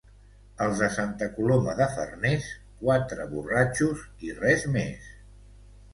Els de Santa Coloma de Farners, quatre borratxos i res més.